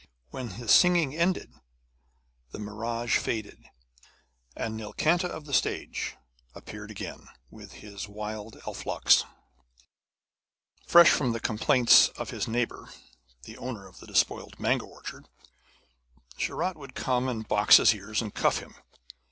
When the singing ended, the mirage faded, and Nilkanta of the stage appeared again, with his wild elf locks. Fresh from the complaints of his neighbour, the owner of the despoiled mango orchard, Sharat would come and box his ears, and cuff him.